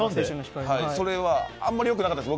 それは、あまり良くなかったです。